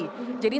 jadi sementara itu